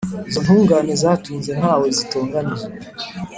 izo ntugane zatunze ntawe zitonganije